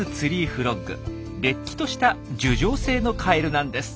れっきとした樹上性のカエルなんです。